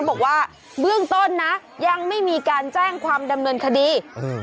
บอกว่าเบื้องต้นนะยังไม่มีการแจ้งความดำเนินคดีอืม